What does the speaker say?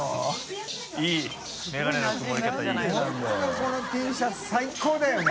このＴシャツ最高だよね。